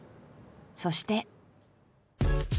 そして。